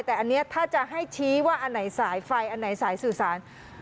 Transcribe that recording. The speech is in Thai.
แต่อันนี้ถ้าจะให้ชี้ว่าอันไหนสายไฟอันไหนสายสื่อสาร